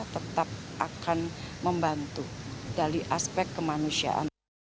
tetap akan membantu dari aspek kemanusiaan